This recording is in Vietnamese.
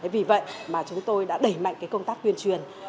vì vậy mà chúng tôi đã đẩy mạnh công tác tuyên truyền